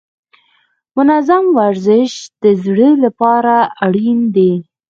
منظم ورزش د زړه لپاره اړین دی.